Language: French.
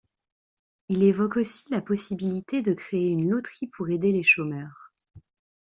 Il évoque aussi la possibilité de créer une loterie pour aider les chômeurs.